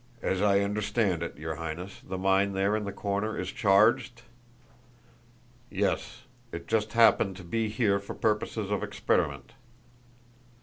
"As I understand it, your Highness, the mine there in the corner is charged?" "Yes. It just happened to be here for purposes of experiment."